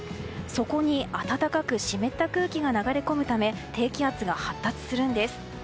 そこに暖かく湿った空気が流れ込むため低気圧が発達するんです。